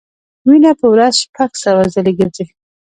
وینه په ورځ شپږ سوه ځلې ګرځي.